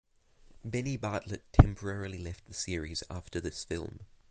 Bennie Bartlett temporarily left the series after this film.